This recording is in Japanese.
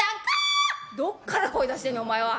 「どっから声出してんねんお前は」。